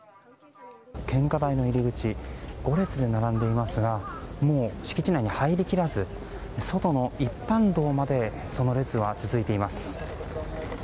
献花台の入り口５列に並んでいますがもう敷地内に入りきらず外の一般道までその列は続いています。